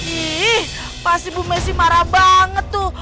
ih pasti bu messi marah banget tuh